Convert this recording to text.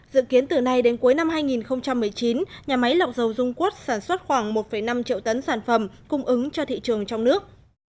dự kiến từ nay đến cuối năm hai nghìn một mươi chín nhà máy lọc dầu dung quất sản xuất khoảng một năm triệu tấn sản phẩm cung ứng cho thị trường trong nước